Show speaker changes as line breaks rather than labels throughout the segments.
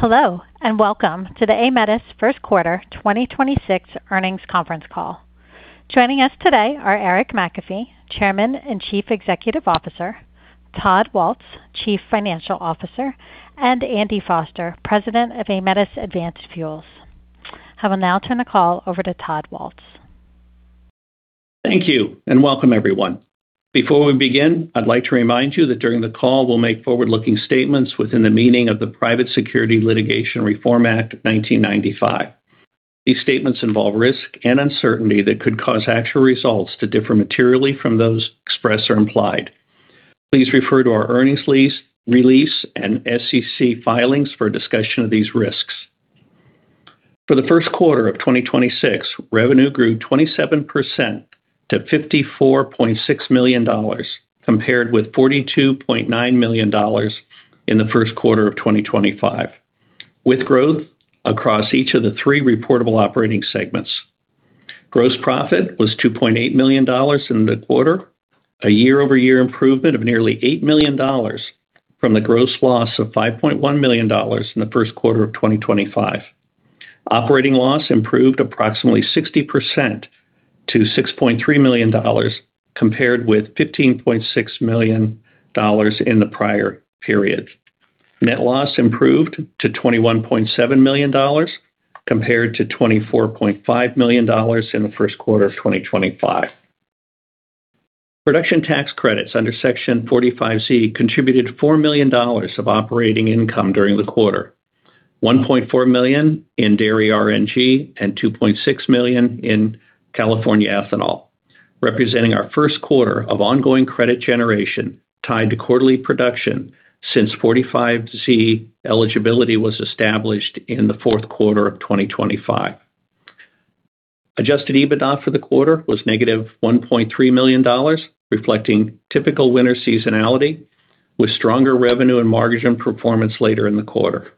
Hello, and welcome to the Aemetis Q1 2026 earnings conference call. Joining us today are Eric McAfee, Chairman and Chief Executive Officer, Todd Waltz, Chief Financial Officer, and Andy Foster, President of Aemetis Advanced Fuels. I will now turn the call over to Todd Waltz.
Thank you, and welcome, everyone. Before we begin, I'd like to remind you that during the call, we'll make forward-looking statements within the meaning of the Private Securities Litigation Reform Act of 1995. These statements involve risk and uncertainty that could cause actual results to differ materially from those expressed or implied. Please refer to our earnings release and SEC filings for a discussion of these risks. For the Q1 of 2026, revenue grew 27% to $54.6 million, compared with $42.9 million in the Q1 of 2025, with growth across each of the three reportable operating segments. Gross profit was $2.8 million in the quarter, a year-over-year improvement of nearly $8 million from the gross loss of $5.1 million in the Q1 of 2025. Operating loss improved approximately 60% to $6.3 million, compared with $15.6 million in the prior period. Net loss improved to $21.7 million compared to $24.5 million in the Q1 of 2025. Production tax credits under Section 45Z contributed $4 million of operating income during the quarter, $1.4 million in dairy RNG and $2.6 million in California ethanol, representing our Q1 of ongoing credit generation tied to quarterly production since 45Z eligibility was established in the Q4 of 2025. Adjusted EBITDA for the quarter was negative $1.3 million, reflecting typical winter seasonality, with stronger revenue and margin performance later in the quarter.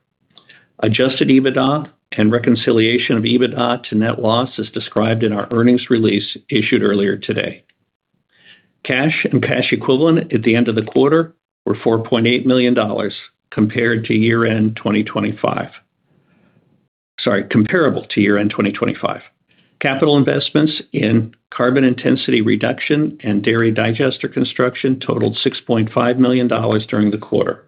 Adjusted EBITDA and reconciliation of EBITDA to net loss is described in our earnings release issued earlier today. Cash and cash equivalent at the end of the quarter were $4.8 million comparable to year-end 2025. Capital investments in carbon intensity reduction and dairy digester construction totaled $6.5 million during the quarter.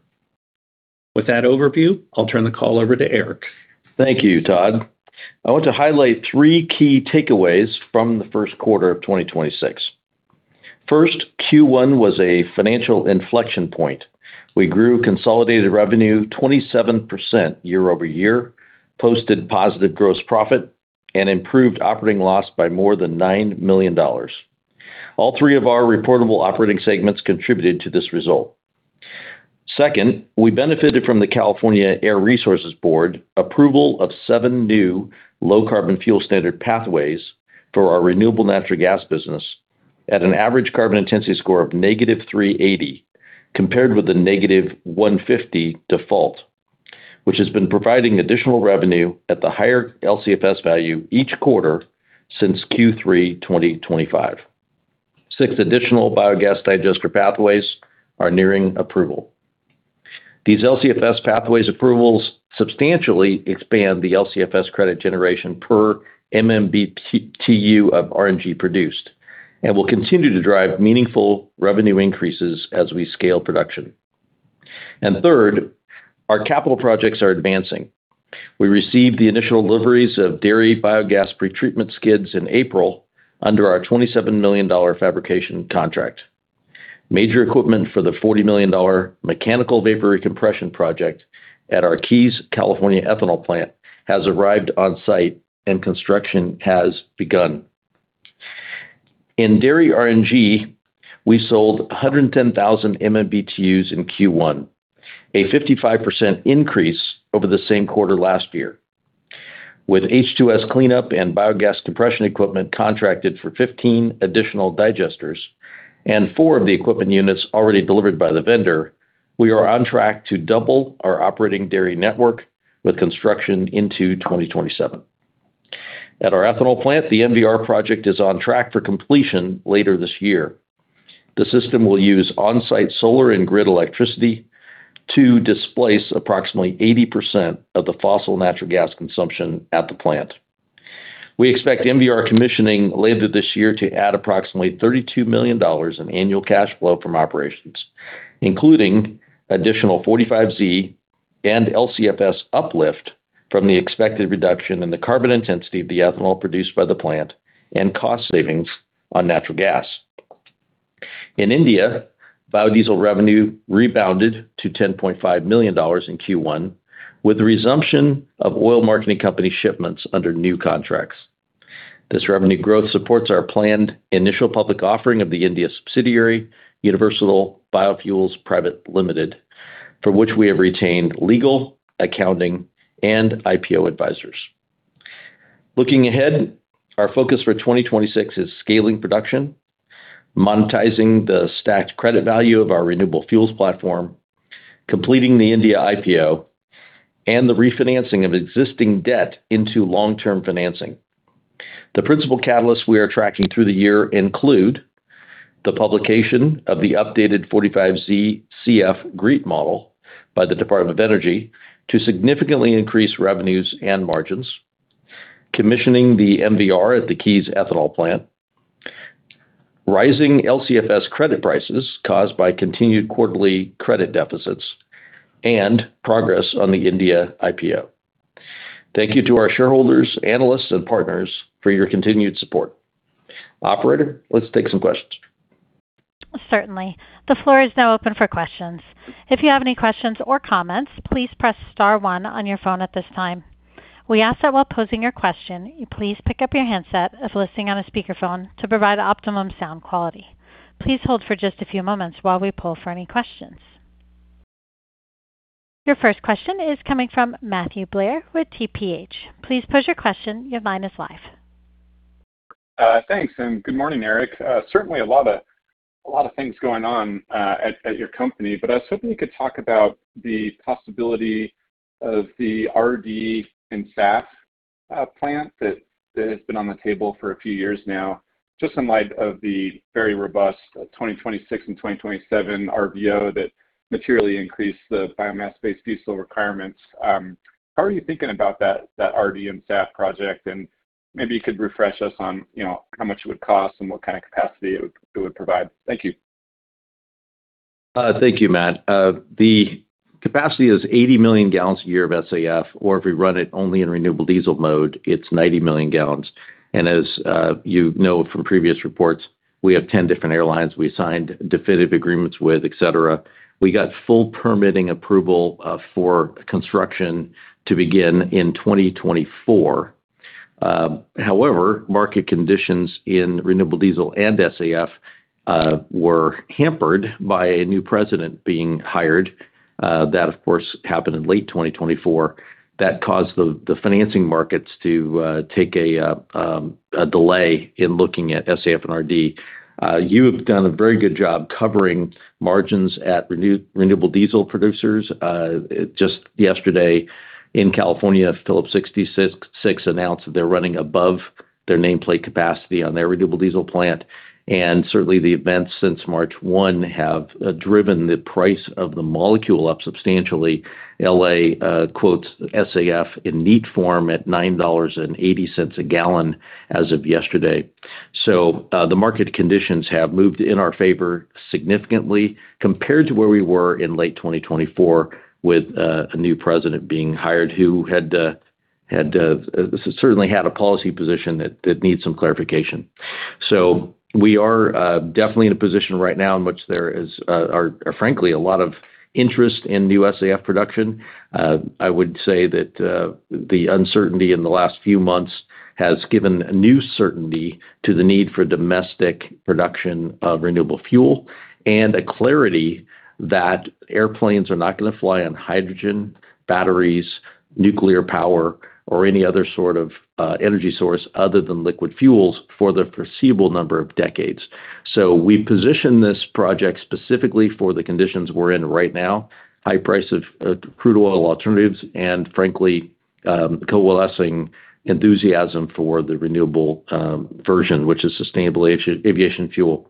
With that overview, I'll turn the call over to Eric.
Thank you, Todd. I want to highlight three key takeaways from the Q1 of 2026. First, Q1 was a financial inflection point. We grew consolidated revenue 27% year-over-year, posted positive gross profit, and improved operating loss by more than $9 million. All three of our reportable operating segments contributed to this result. Second, we benefited from the California Air Resources Board approval of seven new Low Carbon Fuel Standard pathways for our renewable natural gas business at an average carbon intensity score of -380 compared with the -150 default, which has been providing additional revenue at the higher LCFS value each quarter since Q3 2025. Six additional biogas digester pathways are nearing approval. These LCFS pathways approvals substantially expand the LCFS credit generation per MMBtu of RNG produced and will continue to drive meaningful revenue increases as we scale production. Third, our capital projects are advancing. We received the initial deliveries of dairy biogas pretreatment skids in April under our $27 million fabrication contract. Major equipment for the $40 million mechanical vapor recompression project at our Keyes California ethanol plant has arrived on-site, and construction has begun. In dairy RNG, we sold 110,000 MMBtus in Q1, a 55% increase over the same quarter last year. With H2S cleanup and biogas compression equipment contracted for 15 additional digesters and four of the equipment units already delivered by the vendor, we are on track to double our operating dairy network with construction into 2027. At our ethanol plant, the MVR project is on track for completion later this year. The system will use on-site solar and grid electricity to displace approximately 80% of the fossil natural gas consumption at the plant. We expect MVR commissioning later this year to add approximately $32 million in annual cash flow from operations, including additional 45Z and LCFS uplift from the expected reduction in the carbon intensity of the ethanol produced by the plant and cost savings on natural gas. In India, biodiesel revenue rebounded to $10.5 million in Q1 with the resumption of oil marketing company shipments under new contracts. This revenue growth supports our planned initial public offering of the India subsidiary, Universal Biofuels Private Limited, for which we have retained legal, accounting, and IPO advisors. Looking ahead, our focus for 2026 is scaling production, monetizing the stacked credit value of our renewable fuels platform, completing the India IPO, and the refinancing of existing debt into long-term financing. The principal catalyst we are tracking through the year include the publication of the updated 45ZCF-GREET model by the Department of Energy to significantly increase revenues and margins, commissioning the MVR at the Keyes Ethanol plant, rising LCFS credit prices caused by continued quarterly credit deficits, and ,progress on the India IPO. Thank you to our shareholders, analysts, and partners for your continued support. Operator, let's take some questions.
Certainly. The floor is now open for questions. If you have any questions or comments, please press star one on your phone at this time. We ask that while posing your question, you please pick up your handset if listening on a speakerphone to provide optimum sound quality. Please hold for just a few moments while we poll for any questions. Your first question is coming from Matthew Blair with TPH. Please pose your question. Your line is live.
Thanks, good morning, Eric. Certainly a lot of things going on at your company, but I was hoping you could talk about the possibility of the RD and SAF plant that has been on the table for a few years now, just in light of the very robust 2026 and 2027 RVO that materially increased the biomass-based diesel requirements. How are you thinking about that RD and SAF project? Maybe you could refresh us on, you know, how much it would cost and what kind of capacity it would provide. Thank you.
Thank you, Matt. The capacity is 80 million gallons a year of SAF, or if we run it only in renewable diesel mode, it's 90 million gallons, and as you know from previous reports, we have 10 different airlines we signed definitive agreements with, et cetera. We got full permitting approval for construction to begin in 2024. However, market conditions in renewable diesel and SAF were hampered by a new president being hired. That of course happened in late 2024. That caused the financing markets to take a delay in looking at SAF and RD. You have done a very good job covering margins at renewable diesel producers. Just yesterday in California, Phillips 66 announced that they're running above their nameplate capacity on their renewable diesel plant. Certainly, the events since March 1 have driven the price of the molecule up substantially. L.A. quotes SAF in neat form at $9.80 a gallon as of yesterday. The market conditions have moved in our favor significantly compared to where we were in late 2024 with a new president being hired who had had certainly had a policy position that needs some clarification. We are definitely in a position right now in which there is are frankly a lot of interest in new SAF production. I would say that the uncertainty in the last few months has given new certainty to the need for domestic production of renewable fuel and a clarity that airplanes are not gonna fly on hydrogen, batteries, nuclear power or any other sort of energy source other than liquid fuels for the foreseeable number of decades. We position this project specifically for the conditions we're in right now, high price of crude oil alternatives, and frankly, coalescing enthusiasm for the renewable version, which is sustainable aviation fuel.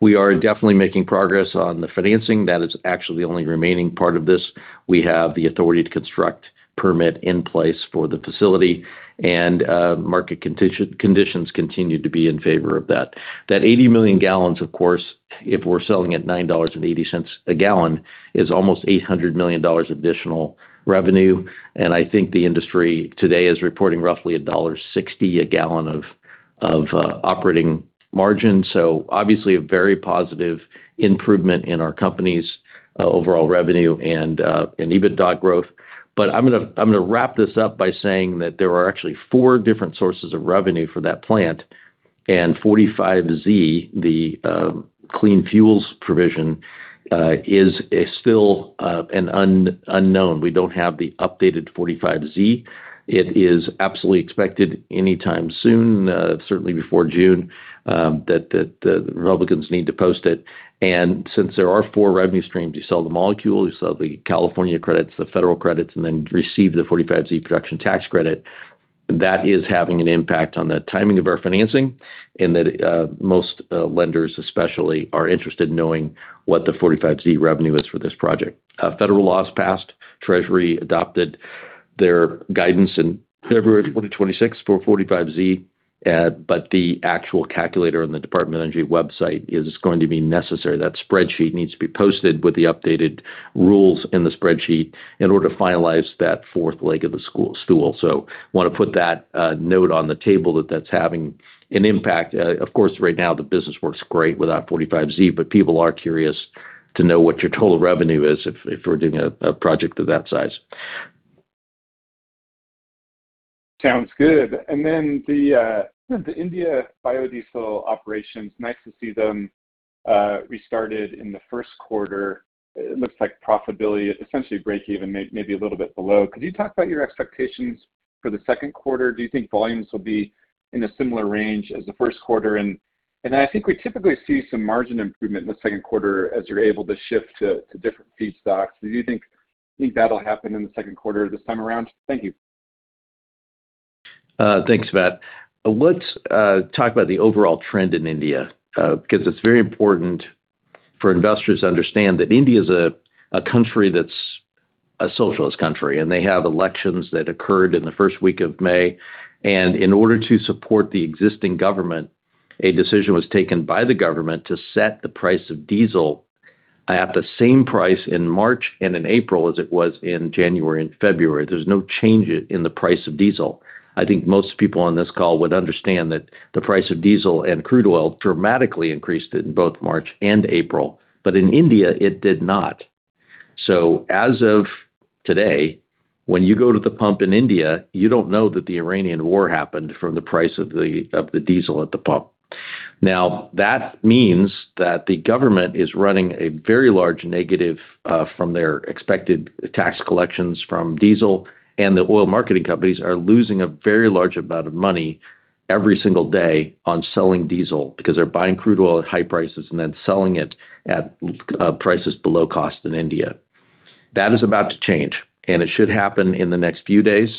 We are definitely making progress on the financing. That is actually the only remaining part of this. We have the authority to construct permit in place for the facility, and market conditions continue to be in favor of that. That 80 million gallons, of course, if we're selling at $9.80 a gallon, is almost $800 million additional revenue, and I think the industry today is reporting roughly $1.60 a gallon of operating margin, so obviously, a very positive improvement in our company's overall revenue and EBITDA growth. I'm gonna wrap this up by saying that there are actually four different sources of revenue for that plant, and 45Z, the clean fuels provision, is still an un-unknown. We don't have the updated 45Z. It is absolutely expected anytime soon, certainly before June, that the Republicans need to post it. Since there are four revenue streams, you sell the molecule, you sell the California credits, the federal credits, and then receive the 45Z production tax credit. That is having an impact on the timing of our financing in that most lenders especially are interested in knowing what the 45Z revenue is for this project. Federal laws passed, Treasury adopted their guidance in February 2026 for 45Z, but the actual calculator on the Department of Energy website is going to be necessary. That spreadsheet needs to be posted with the updated rules in the spreadsheet in order to finalize that fourth leg of the stool. Wanna put that note on the table that that's having an impact. Of course, right now the business works great without 45Z. People are curious to know what your total revenue is if we're doing a project of that size.
Sounds good. The India biodiesel operations, nice to see them restarted in the Q1. It looks like profitability is essentially breakeven, maybe a little bit below. Could you talk about your expectations for the Q2? Do you think volumes will be in a similar range as the Q1 and I think we typically see some margin improvement in the Q2 as you're able to shift to different feedstocks. Do you think that'll happen in the Q2 this time around? Thank you.
Thanks, Matt. Let's talk about the overall trend in India, because it's very important for investors to understand that India is a country that's a socialist country, and they have elections that occurred in the first week of May, and in order to support the existing government, a decision was taken by the government to set the price of diesel at the same price in March and in April as it was in January and February does nhere's no change in the price of diesel. I think most people on this call would understand that the price of diesel and crude oil dramatically increased in both March and April, but in India, it did not. As of today, when you go to the pump in India, you don't know that the Iranian war happened from the price of the diesel at the pump. That means that the government is running a very large negative from their expected tax collections from diesel, and the Oil Marketing Companies are losing a very large amount of money every single day on selling diesel because they're buying crude oil at high prices and then selling it at prices below cost in India. That is about to change, and it should happen in the next few days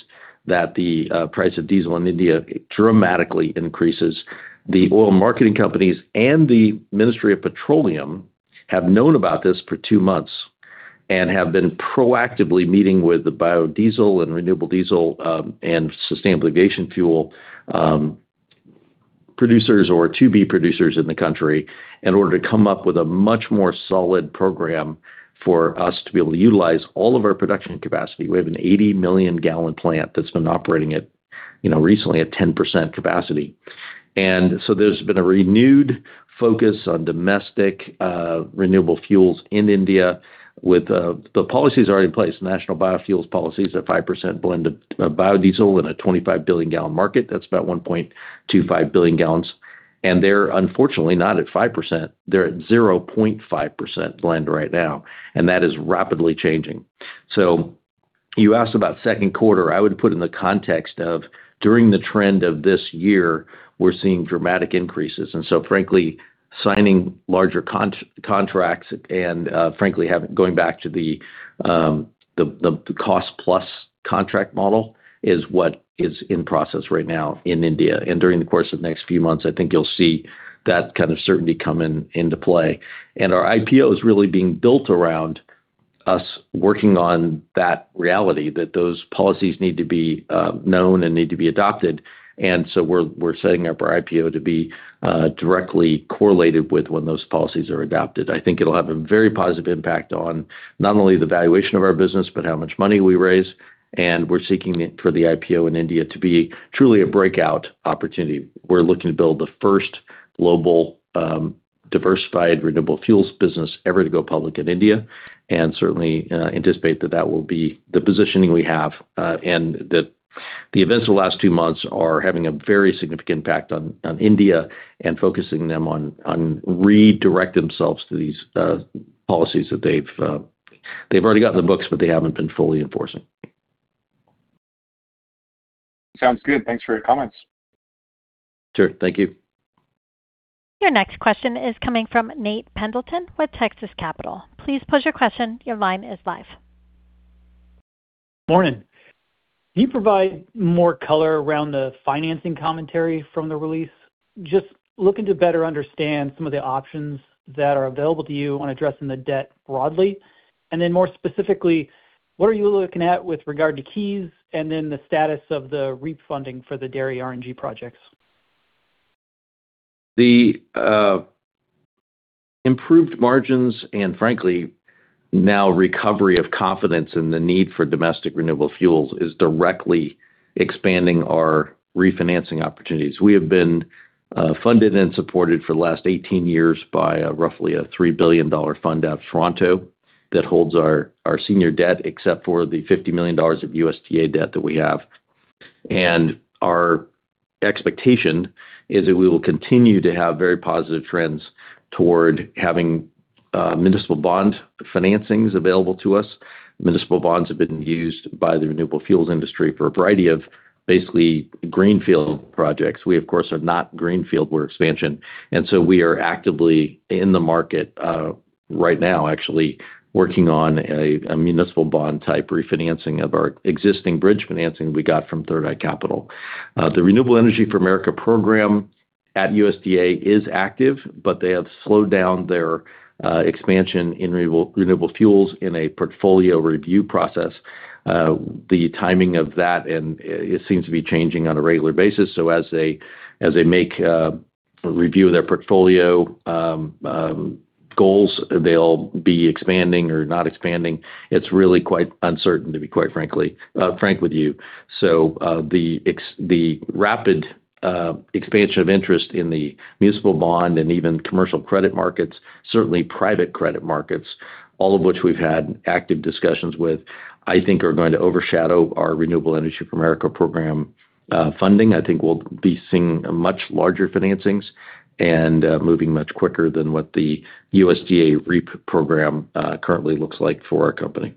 that the price of diesel in India dramatically increases. The Oil Marketing Companies and the Ministry of Petroleum have known about this for two months and have been proactively meeting with the biodiesel and renewable diesel, and sustainable aviation fuel producers or to-be producers in the country in order to come up with a much more solid program for us to be able to utilize all of our production capacity. We have an 80 million gallon plant that's been operating at, you know, recently at 10% capacity, so there's been a renewed focus on domestic renewable fuels in India with the policies are already in place. National Policy on Biofuels is at 5% blend of biodiesel in a 25 billion gallon market. That's about 1.25 billion gallons. They're unfortunately not at 5%. They're at 0.5% blend right now, and that is rapidly changing. You asked about Q2. I would put in the context of during the trend of this year, we're seeing dramatic increases. Frankly, signing larger contracts and, frankly, having going back to the cost-plus contract model is what is in process right now in India. During the course of the next few months, I think you'll see that kind of certainty come into play. Our IPO is really being built around us working on that reality, that those policies need to be known and need to be adopted, and so we're setting up our IPO to be directly correlated with when those policies are adopted. I think it'll have a very positive impact on not only the valuation of our business, but how much money we raise, and we're seeking it for the IPO in India to be truly a breakout opportunity. We're looking to build the first global, diversified renewable fuels business ever to go public in India and certainly, anticipate that that will be the positioning we have, and that the events of the last two months are having a very significant impact on India and focusing them on redirect themselves to these policies that they've already got on the books, but they haven't been fully enforcing.
Sounds good. Thanks for your comments.
Sure. Thank you.
Your next question is coming from Nat Pendleton with Texas Capital. Please pose your question. Your line is live.
Morning. Can you provide more color around the financing commentary from the release? Just looking to better understand some of the options that are available to you on addressing the debt broadly. Then more specifically, what are you looking at with regard to Keyes and then the status of the REAP funding for the dairy RNG projects?
The improved margins and, frankly, now recovery of confidence in the need for domestic renewable fuels is directly expanding our refinancing opportunities. We have been funded and supported for the last 18 years by roughly a $3 billion fund out of Toronto that holds our senior debt, except for the $50 million of USDA debt that we have. Our expectation is that we will continue to have very positive trends toward having municipal bond financings available to us. Municipal bonds have been used by the renewable fuels industry for a variety of basically greenfield projects. We, of course, are not greenfield, we're expansion, we are actively in the market right now actually working on a municipal bond type refinancing of our existing bridge financing we got from Third Eye Capital. The Rural Energy for America Program at USDA is active, but they have slowed down their expansion in renewable fuels in a portfolio review process. The timing of that, it seems to be changing on a regular basis. As they make review their portfolio goals, they'll be expanding or not expanding. It's really quite uncertain to be quite frankly, frank with you. The rapid expansion of interest in the municipal bond and even commercial credit markets, certainly private credit markets, all of which we've had active discussions with, I think are going to overshadow our Rural Energy for America Program funding. I think we'll be seeing much larger financings and moving much quicker than what the USDA REAP program currently looks like for our company.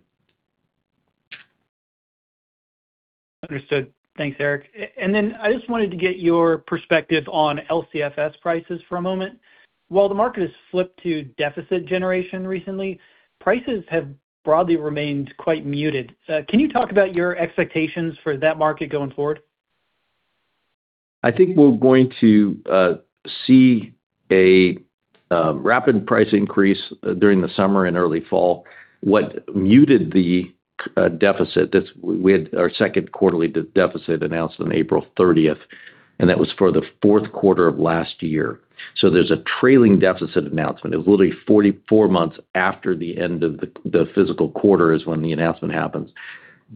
Understood. Thanks, Eric. Then I just wanted to get your perspective on LCFS prices for a moment. While the market has flipped to deficit generation recently, prices have broadly remained quite muted. Can you talk about your expectations for that market going forward?
I think we're going to see a rapid price increase during the summer and early fall. What muted the deficit that's we had our Q2 deficit announced on April 30th, and that was for the Q4 of last year. There's a trailing deficit announcement. It was literally 44 months after the end of the physical quarter is when the announcement happens.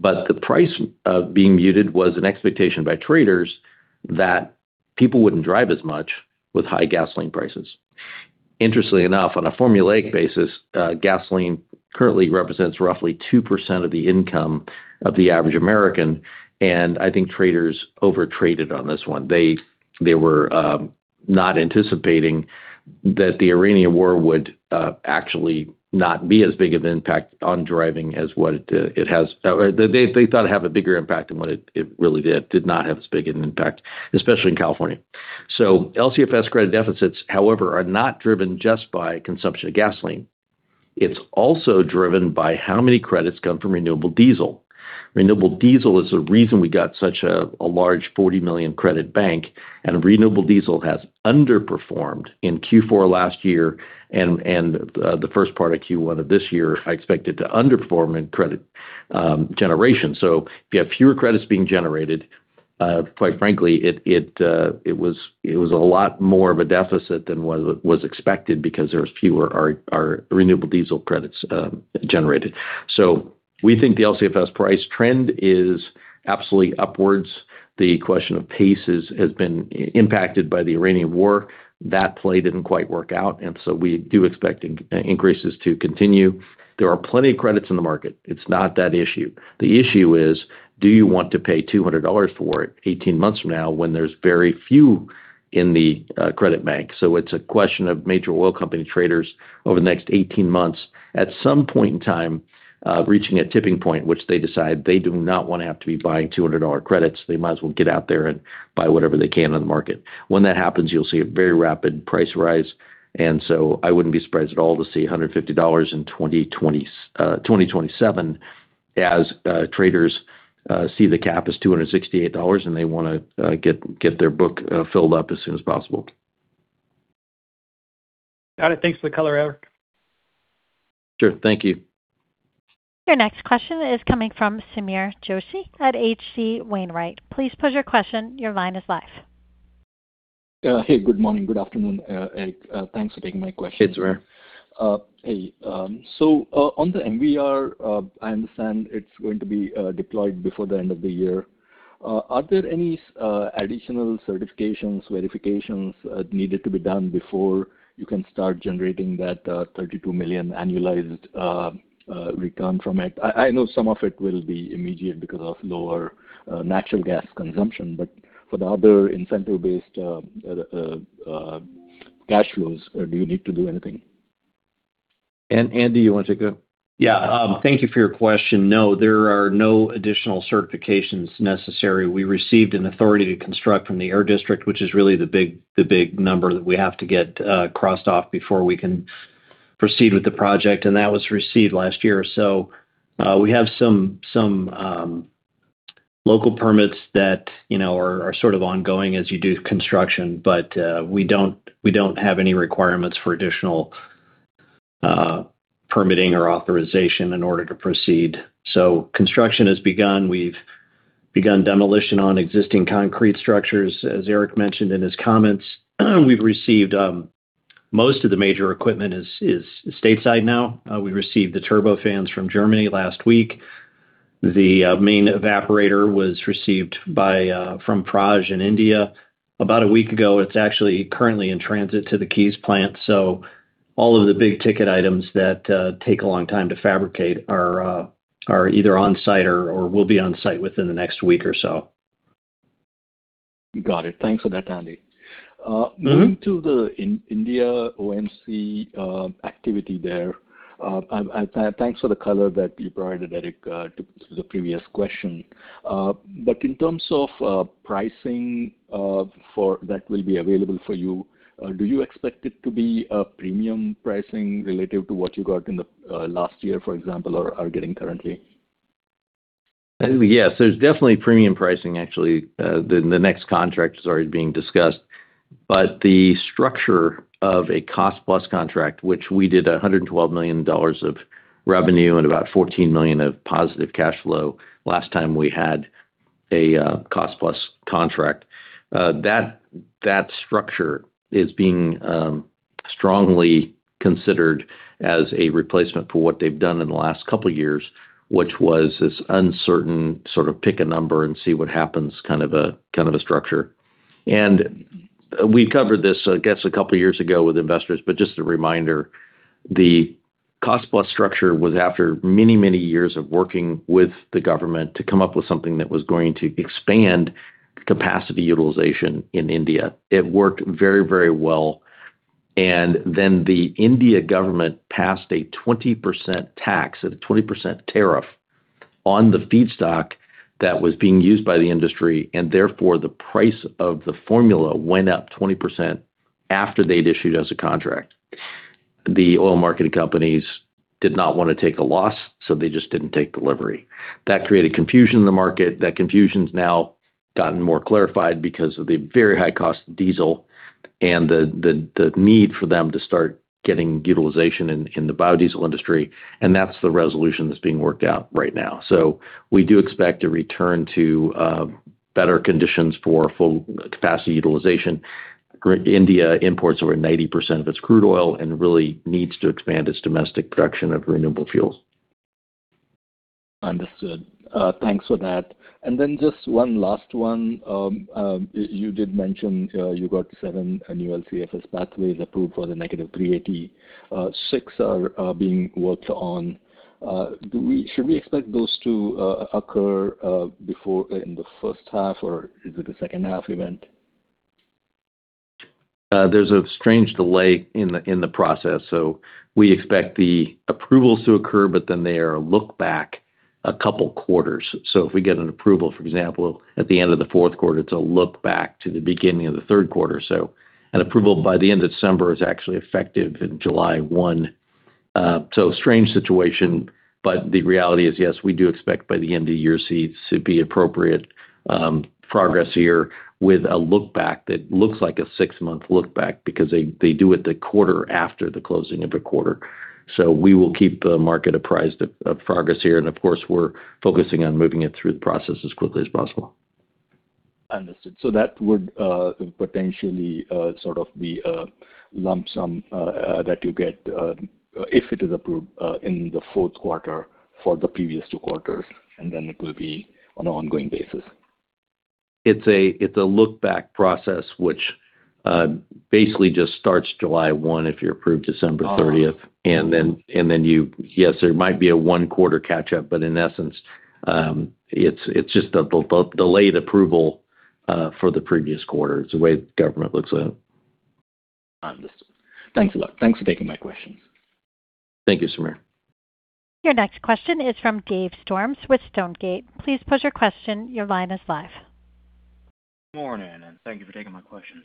The price of being muted was an expectation by traders that people wouldn't drive as much with high gasoline prices. Interestingly enough, on a formulaic basis, gasoline currently represents roughly 2% of the income of the average American. I think traders overtraded on this one. They were not anticipating, but that the Iranian war would actually not be as big of an impact on driving as what it has. They thought it'd have a bigger impact than what it really did. Did not have as big an impact, especially in California. LCFS credit deficits, however, are not driven just by consumption of gasoline. It's also driven by how many credits come from renewable diesel. Renewable diesel is the reason we got such a large 40 million credit bank, and renewable diesel has underperformed in Q4 last year and the first part of Q1 of this year, I expect it to underperform in credit generation. If you have fewer credits being generated, quite frankly, it was a lot more of a deficit than what was expected because there was fewer our renewable diesel credits generated. We think the LCFS price trend is absolutely upwards. The question of pace has been impacted by the Iranian war. That play didn't quite work out, and so we do expect increases to continue. There are plenty of credits in the market. It's not that issue. The issue is, do you want to pay $200 for it 18 months from now when there's very few in the credit bank? It's a question of major oil company traders over the next 18 months, at some point in time, reaching a tipping point, which they decide they do not wanna have to be buying $200 credits. They might as well get out there and buy whatever they can on the market. When that happens, you'll see a very rapid price rise. I wouldn't be surprised at all to see $150 in 2027 as traders see the cap as $268. They wanna get their book filled up as soon as possible.
Got it. Thanks for the color, Eric.
Sure. Thank you.
Your next question is coming from Sameer Joshi at H.C. Wainwright. Please pose your question. Your line is live.
Hey, good morning. Good afternoon, Eric. Thanks for taking my question.
Hey, Sameer.
Hey. On the MVR, I understand it's going to be deployed before the end of the year. Are there any additional certifications, verifications needed to be done before you can start generating that $32 million annualized return from it? I know some of it will be immediate because of lower natural gas consumption, but for the other incentive-based cash flows, do you need to do anything?
Andy, you wanna take it?
Thank you for your question. There are no additional certifications necessary. We received an authority to construct from the air district, which is really the big number that we have to get crossed off before we can proceed with the project, and that was received last year, so we have some local permits that, you know, are sort of ongoing as you do construction, but we don't have any requirements for additional permitting or authorization in order to proceed. Construction has begun. We've begun demolition on existing concrete structures. As Eric mentioned in his comments, we've received Most of the major equipment is stateside now. We received the turbofans from Germany last week. The main evaporator was received by from Praj in India about a week ago. It's actually currently in transit to the Keyes plant. All of the big-ticket items that take a long time to fabricate are either on site or will be on site within the next week or so.
Got it. Thanks for that, Andy. Moving to the India OMC activity there, thanks for the color that you provided, Eric, to the previous question, but in terms of pricing that will be available for you, do you expect it to be a premium pricing relative to what you got in the last year, for example, or are getting currently?
Yes. There's definitely premium pricing actually. The next contract is already being discussed, but the structure of a cost-plus contract, which we did $112 million of revenue and about $14 million of positive cash flow last time we had a cost-plus contract. That structure is being strongly considered as a replacement for what they've done in the last couple years, which was this uncertain sort of pick a number and see what happens kind of a structure. We've covered this, I guess a couple years ago with investors, but just a reminder, the cost-plus structure was after many, many years of working with the government to come up with something that was going to expand capacity utilization in India. It worked very, very well. Then the India government passed a 20% tax, a 20% tariff on the feedstock that was being used by the industry, and therefore the price of the formula went up 20% after they'd issued us a contract. The oil marketing companies did not want to take a loss, so they just didn't take delivery. That created confusion in the market. That confusion's now gotten more clarified because of the very high cost of diesel and the need for them to start getting utilization in the biodiesel industry, that's the resolution that's being worked out right now, so we do expect a return to better conditions for full capacity utilization. India imports over 90% of its crude oil and really needs to expand its domestic production of renewable fuels.
Understood. Thanks for that. Then just one last one. You did mention, you got seven annual LCFS pathways approved for the -380. Six are being worked on. Should we expect those to occur before in the H1 or is it a H2 event?
There's a strange delay in the process. We expect the approvals to occur, but then they are a look back a couple quarters. If we get an approval, for example, at the end of the fourth quarter, it's a look back to the beginning of the Q3, so an approval by the end of December is actually effective in July 1. Strange situation, but the reality is, yes, we do expect by the end of the year to be appropriate progress here with a look back that looks like a six-month look back because they do it the quarter after the closing of a quarter, so we will keep the market apprised of progress here, and of course, we're focusing on moving it through the process as quickly as possible.
Understood. That would potentially sort of be a lump sum that you get if it is approved in the Q4 for the previous two quarters, and then it will be on an ongoing basis.
It's a look back process which basically just starts July 1 if you're approved December 30th, and then yes, there might be a one quarter catch up, but in essence, it's just a delayed approval for the previous quarter. It's the way the government looks at it.
Understood. Thanks a lot. Thanks for taking my questions.
Thank you, Sameer.
Your next question is from Dave Storms with Stonegate. Please pose your question. Your line is live.
Morning, thank you for taking my questions.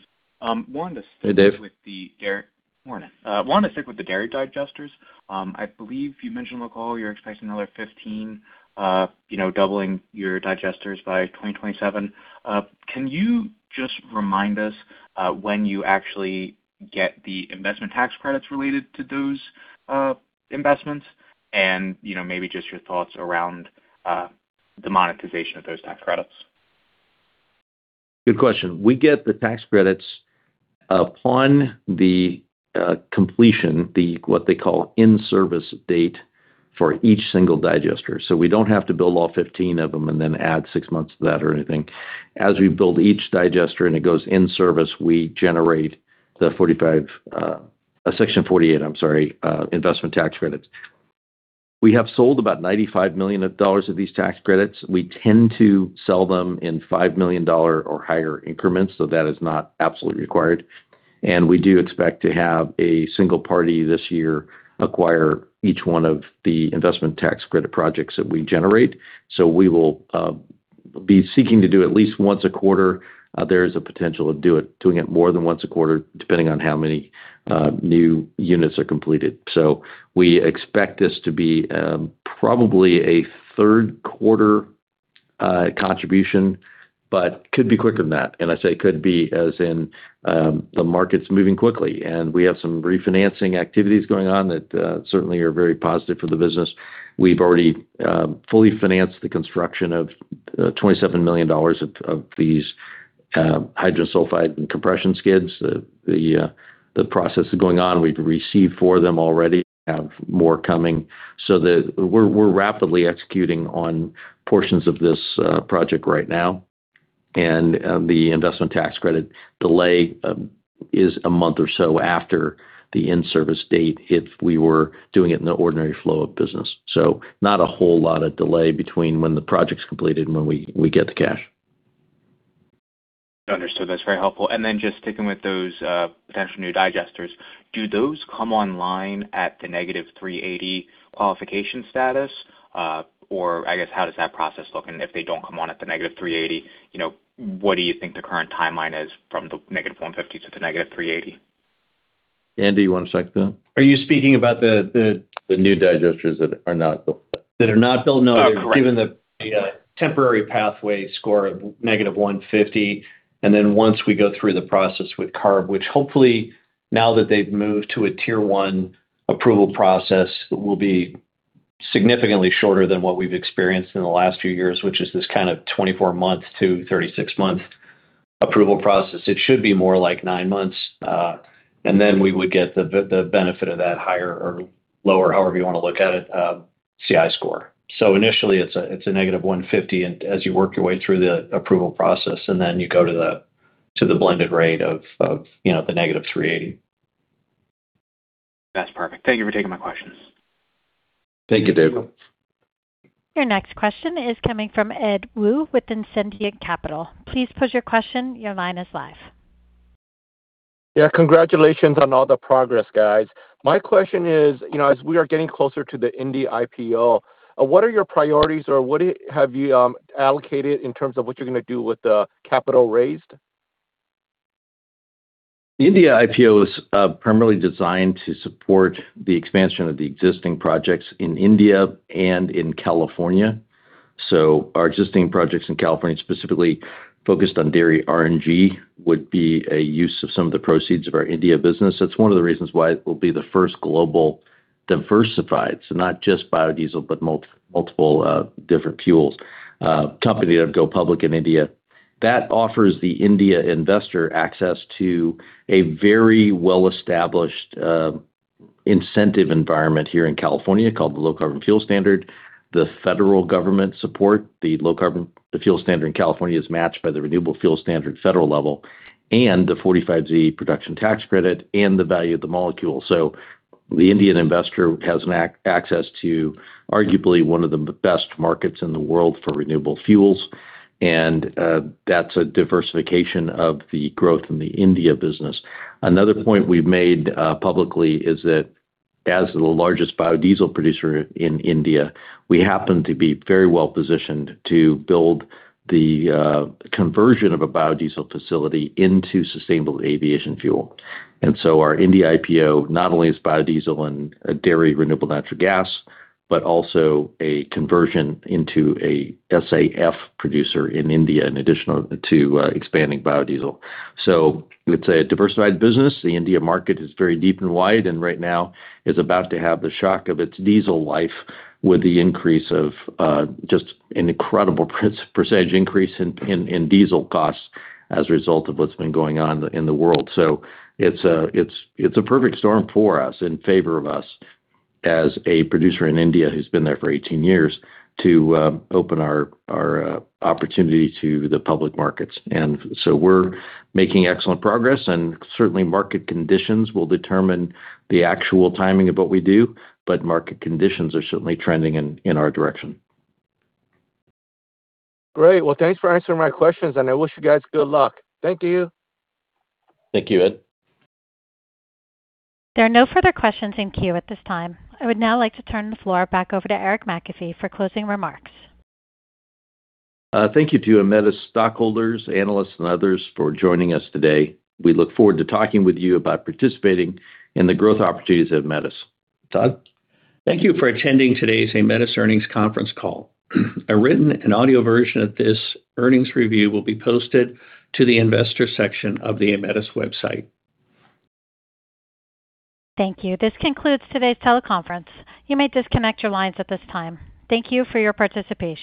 Hey, Dave.
With the dairy. Morning. Wanted to stick with the dairy digesters. I believe you mentioned on the call you're expecting another 15, you know, doubling your digesters by 2027. Can you just remind us, when you actually get the investment tax credits related to those investments, and mYou know, maybe just your thoughts around the monetization of those tax credits.
Good question. We get the tax credits upon the completion, what they call in-service date for each single digester, so we don't have to build all 15 of them and then add 6 months to that or anything. As we build each digester and it goes in service, we generate Section 48, I'm sorry, investment tax credits. We have sold about $95 million of these tax credits. We tend to sell them in $5 million or higher increments, so that is not absolutely required, and we do expect to have a single party this year acquire each one of the investment tax credit projects that we generate, so we will be seeking to do at least once a quarter. There is a potential of doing it more than once a quarter, depending on how many new units are completed. We expect this to be probably a Q3 contribution, but could be quicker than that. I say could be, as in, the market's moving quickly. We have some refinancing activities going on that certainly are very positive for the business. We've already fully financed the construction of $27 million of these hydrosulfide and compression skids. The process is going on. We've received four them already, have more coming. We're rapidly executing on portions of this project right now, and the investment tax credit delay is a month or so after the in-service date if we were doing it in the ordinary flow of business. Not a whole lot of delay between when the project's completed and when we get the cash.
Understood. That's very helpful. Just sticking with those potential new digesters, do those come online at the -380 qualification status? I guess, how does that process look? If they don't come on at the -380, you know, what do you think the current timeline is from the negative 150 to the negative 380?
Andy, you wanna speak to that?
Are you speaking about the?
The new digesters that are not built yet.
That are not built? No.
Oh, correct.
They're given the temporary pathway score of -150, and then once we go through the process with CARB, which hopefully, now that they've moved to a tier one approval process, will be significantly shorter than what we've experienced in the last few years, which is this kind of 24-month to 36-month approval process. It should be more like nine months, and then we would get the benefit of that higher or lower, however you wanna look at it, CI score, so initially, it's a negative 150, and as you work your way through the approval process, and then you go to the blended rate of, you know, the negative 380.
That's perfect. Thank you for taking my questions.
Thank you, Dave.
Your next question is coming from Ed Woo with Ascendiant Capital. Please pose your question. Your line is live.
Yeah, congratulations on all the progress, guys. My question is, you know, as we are getting closer to the India IPO, what are your priorities or what have you allocated in terms of what you're gonna do with the capital raised?
The India IPO is primarily designed to support the expansion of the existing projects in India and in California. Our existing projects in California, specifically focused on dairy RNG would be a use of some of the proceeds of our India business. That's one of the reasons why it will be the first global diversified company, so not just biodiesel, but multiple different fuels company to go public in India. That offers the India investor access to a very well-established incentive environment here in California called the Low Carbon Fuel Standard. The fuel standard in California is matched by the Renewable Fuel Standard federal level, the 45Z production tax credit and the value of the molecule. The Indian investor has access to arguably one of the best markets in the world for renewable fuels, that's a diversification of the growth in the India business. Another point we've made publicly is that as the largest biodiesel producer in India, we happen to be very well-positioned to build the conversion of a biodiesel facility into sustainable aviation fuel, and so our India IPO, not only is biodiesel and dairy renewable natural gas, but also a conversion into a SAF producer in India in addition to expanding biodiesel. It's a diversified business. The India market is very deep and wide, and right now is about to have the shock of its diesel life with the increase of just an incredible % increase in diesel costs as a result of what's been going on in the world. It's a perfect storm for us, in favor of us as a producer in India who's been there for 18 years to open our opportunity to the public markets. We're making excellent progress, and certainly market conditions will determine the actual timing of what we do, but market conditions are certainly trending in our direction.
Great. Well, thanks for answering my questions, and I wish you guys good luck. Thank you.
Thank you, Ed.
There are no further questions in queue at this time. I would now like to turn the floor back over to Eric McAfee for closing remarks.
Thank you to Aemetis stockholders, analysts, and others for joining us today. We look forward to talking with you about participating in the growth opportunities at Aemetis. Todd?
Thank you for attending today's Aemetis earnings conference call. A written and audio version of this earnings review will be posted to the investor section of the Aemetis website.
Thank you. This concludes today's teleconference. You may disconnect your lines at this time. Thank you for your participation.